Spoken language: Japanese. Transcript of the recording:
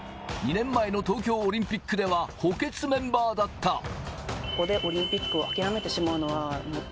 が、しかし２年前の東京オリンピックでは補欠メンバーだった。